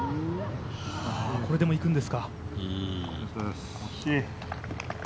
これでもいくんですか。